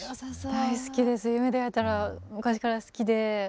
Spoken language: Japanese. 大好きです「夢でえたら」昔から好きで。